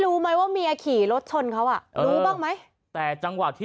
รบปพออยากยกมือว่าขอโทษ